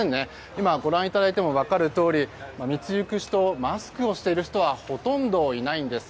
今ご覧いただいても分かるとおり、道行く人マスクをしている人はほとんどいないんです。